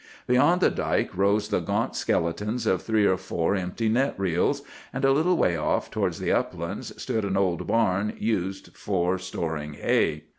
Beyond the dike rose the gaunt skeletons of three or four empty net reels; and a little way off towards the uplands stood an old barn used for storing hay.